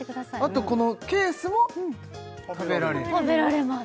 あとこのケースも食べられる？